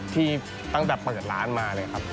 ที่ตั้งแต่เปิดร้านมาเลยครับ